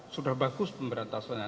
sudah bagus pemberantasannya